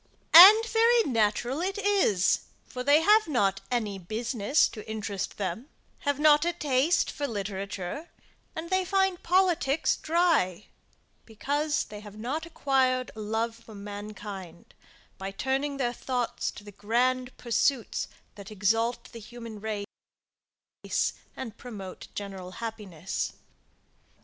And very natural it is for they have not any business to interest them, have not a taste for literature, and they find politics dry, because they have not acquired a love for mankind by turning their thoughts to the grand pursuits that exalt the human race and promote general happiness.